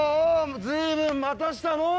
随分待たしたのう。